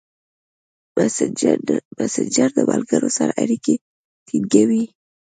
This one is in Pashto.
مسېنجر د ملګرو سره اړیکې ټینګوي.